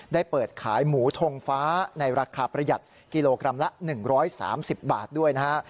ได้เปิดขายหมูทงฟ้าในราคาประหยัดกิโลกรัมละ๑๓๐บาทด้วยนะฮะ